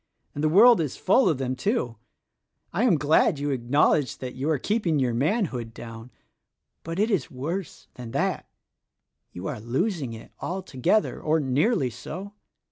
— and the world is full of them, too. I THE RECORDING ANGEL 41 am glad you acknowledge that you are keeping your manhood down, but it is worse than that: — you are losing it altogether — or nearly so.